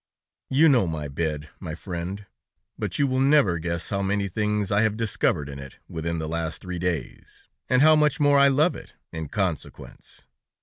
"You know my bed, my friend, but you will never guess how many things I have discovered in it within the last three days, and how much more I love it, in consequence.